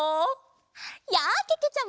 やあけけちゃま！